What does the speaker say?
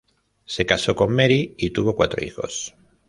Se casó con Marie y tuvo cuatro hijos.